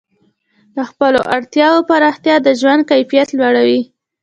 د خپلو وړتیاوو پراختیا د ژوند کیفیت لوړوي.